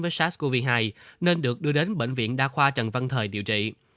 với sars cov hai nên được đưa đến bệnh viện đa khoa trần văn thời điều trị